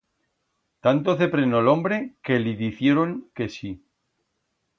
Tanto ceprenó l'hombre que li dicioron que sí.